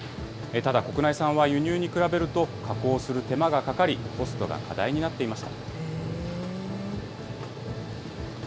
ただ、国内産は輸入に比べると、加工する手間がかかり、コストが課題になっていました。